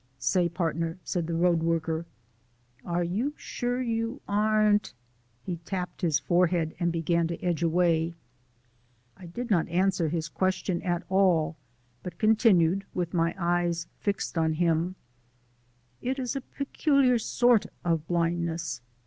"Say, partner," said the road worker, "are you sure you aren't " He tapped his forehead and began to edge away. I did not answer his question at all, but continued, with my eyes fixed on him: "It is a peculiar sort of blindness.